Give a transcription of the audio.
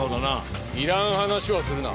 いらん話をするな。